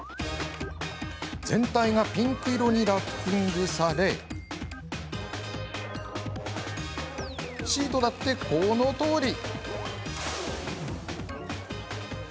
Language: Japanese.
全体がピンク色にラッピングされシートだって、このとおり。